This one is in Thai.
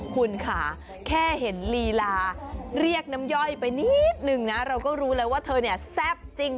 คุณค่ะแค่เห็นลีลาเรียกน้ำย่อยไปนิดนึงนะเราก็รู้แล้วว่าเธอเนี่ยแซ่บจริง